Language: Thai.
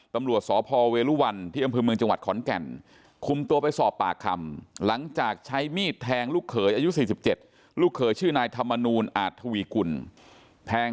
ตำรวจสพเวรุวัลที่อำพลิวเมืองจังหวัดขอนแก่น